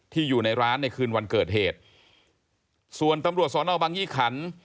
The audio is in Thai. อยู่ในร้านในคืนวันเกิดเหตุส่วนตำรวจสอนอบังยี่ขัน